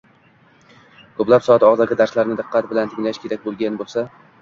ko‘plab soat og‘zaki darslarni diqqat bilan tinglash kerak bo‘lgan bo‘lsa